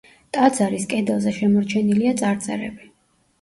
ტაძარის კედელზე შემორჩენილია წარწერები.